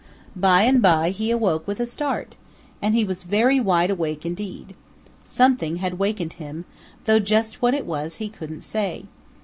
By and by he awoke with a start, and he was very wide awake indeed. Something had wakened him, though just what it was he couldn't say.